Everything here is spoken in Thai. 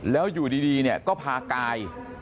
แล้วอยู่ดีก็พากาย